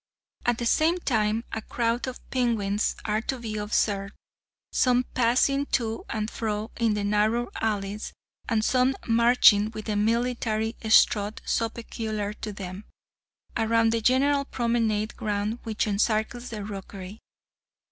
At the same time a crowd of penguins are to be observed, some passing to and fro in the narrow alleys, and some marching with the military strut so peculiar to them, around the general promenade ground which encircles the rookery.